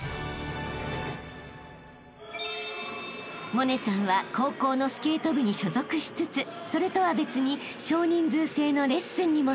［百音さんは高校のスケート部に所属しつつそれとは別に少人数制のレッスンにも参加］